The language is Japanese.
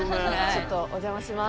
ちょっとお邪魔します。